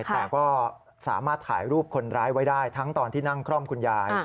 แต่ก็สามารถถ่ายรูปคนร้ายไว้ได้ทั้งตอนที่นั่งคล่อมคุณยาย